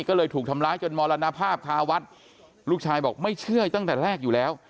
ก็เลยถูกทำร้ายจนมรณภาพคาวัดลูกชายบอกไม่เชื่อตั้งแต่แรกอยู่แล้ว